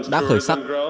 đã khởi sắc